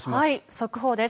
速報です。